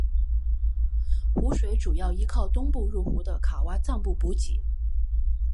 湖水主要依靠东部入湖的卡挖臧布补给。